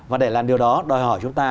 và để làm điều đó đòi hỏi chúng ta